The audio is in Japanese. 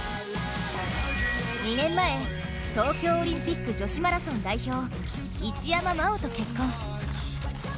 ２年前、東京オリンピック女子マラソン代表一山麻緒と結婚。